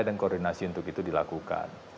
dan koordinasi untuk itu dilakukan